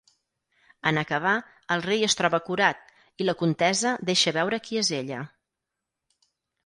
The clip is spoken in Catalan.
En acabar, el rei es troba curat, i la contesa deixa veure qui és ella.